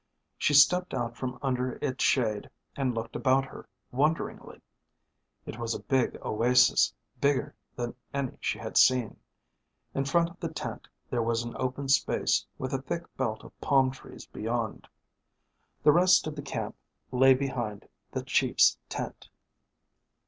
She stepped out from under its shade and looked about her wonderingly. It was a big oasis bigger than any she had seen. In front of the tent there was an open space with a thick belt of palm trees beyond. The rest of the camp lay behind the Chief's tent.